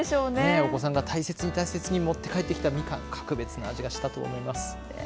お子さんが大切に大切に持って帰ってきたみかん、格別な味がしたと思います。